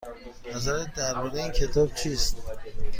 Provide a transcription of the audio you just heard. نظرت درباره این کتاب چیست؟